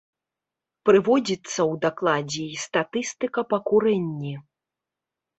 Прыводзіцца ў дакладзе і статыстыка па курэнні.